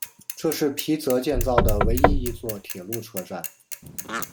这是皮泽建造的唯一一座铁路车站。